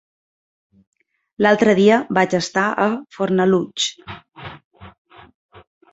L'altre dia vaig estar a Fornalutx.